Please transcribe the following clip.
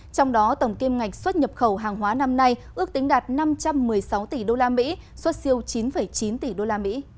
trong đó tổng kim ngạch xuất nhập khẩu hàng hóa năm nay ước tính đạt năm trăm một mươi sáu tỷ usd xuất siêu chín chín tỷ usd